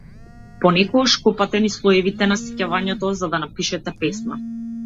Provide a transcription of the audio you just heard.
Понекогаш копате низ слоевите на сеќавањето за да напишете песна.